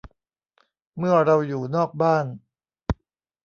เมื่อเราอยู่นอกบ้าน